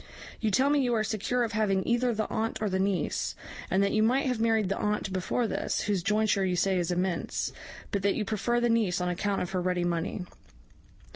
You tell me you are secure of having either the aunt or the niece, and that you might have married the aunt before this, whose jointure you say is immense, but that you prefer the niece on account of her ready money.